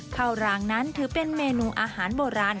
รางนั้นถือเป็นเมนูอาหารโบราณ